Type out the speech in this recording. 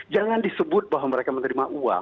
jangan disebut bahwa mereka menerima uang